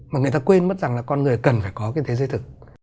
mà người ta quên mất rằng là con người cần phải có cái thế giới thực